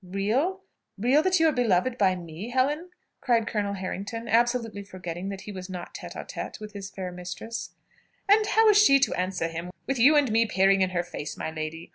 "Real? real that you are beloved by me, Helen?" cried Colonel Harrington, absolutely forgetting that he was not tête à tête with his fair mistress. "And how is she to answer him, with you and me peering in her face, my lady?